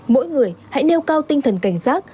mỗi người hãy nêu cao tinh thần cảnh sát